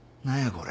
これ。